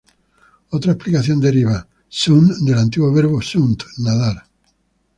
Otra explicación deriva "sund" del antiguo verbo "sunt", nadar.